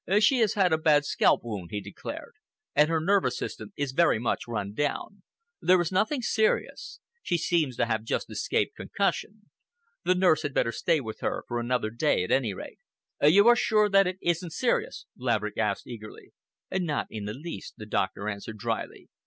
"She has had a bad scalp wound," he declared, "and her nervous system is very much run down. There is nothing serious. She seems to have just escaped concussion. The nurse had better stay with her for another day, at any rate." "You are sure that it isn't serious?" Laverick asked eagerly. "Not in the least," the doctor answered dryly.